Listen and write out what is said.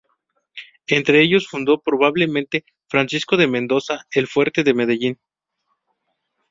Entre ellos fundó probablemente Francisco de Mendoza el fuerte de Medellín.